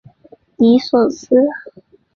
尼索斯。